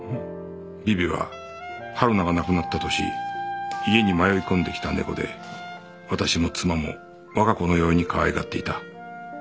ビビは春菜が亡くなった年家に迷い込んできた猫で私も妻も我が子のようにかわいがっていた